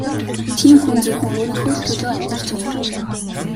Тийм хүн зөвхөн өөрийнхөө л төлөө амьдарч явдаг.